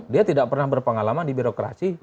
dia tidak pernah berpengalaman di birokrasi